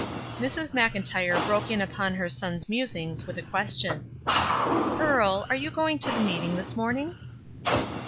Mrs. Mclntyre broke in upon her son's musings with a question: — ''Earle, are you going to the meeting this morning?"